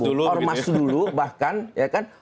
ormas dulu bahkan ya kan